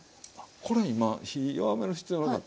これ今火弱める必要なかった。